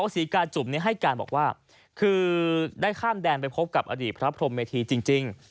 ซีกาจุ๋มได้ข้ามแดนไปพบกับอดีตพระพรหมเมธีจริง